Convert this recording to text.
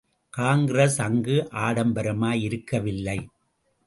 காங்கிரஸ் அங்கு ஆடம்பரமாய் இருக்கவில்லை.